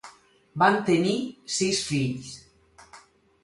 Van tenir sis fills.